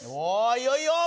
いよいよ！